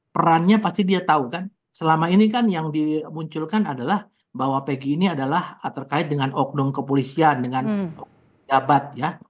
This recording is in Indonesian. perannya pasti dia tahu kan selama ini kan yang dimunculkan adalah bahwa pg ini adalah terkait dengan oknum kepolisian dengan jabat ya